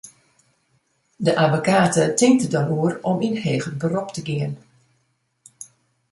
De abbekate tinkt der dan oer om yn heger berop te gean.